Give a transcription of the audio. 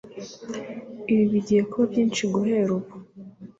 Ibi bigiye kuba byinshi guhera ubu.